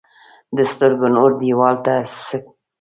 د سترګو تور دیوال څه کار کوي؟